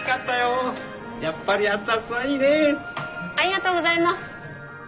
ありがとうございます！